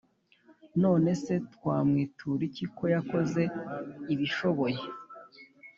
None se twamwitura iki ko yakoze ibishoboye